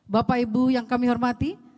bapak ibu yang kami hormati